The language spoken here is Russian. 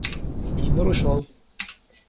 Тимур ушел.